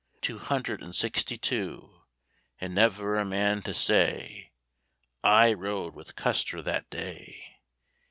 Two hundred and sixty two, And never a man to say, "I rode with Custer that day."